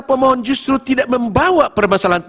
pemohon justru tidak membawa permasalahan